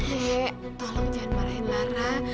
dek tolong jangan marahin lara